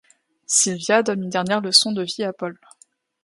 Sylvia donne une dernière leçon de vie à Paul.